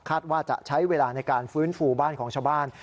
ว่าจะใช้เวลาในการฟื้นฟูบ้านของชาวบ้าน